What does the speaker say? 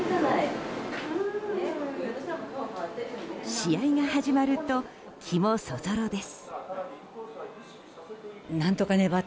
試合が始まると気もそぞろです。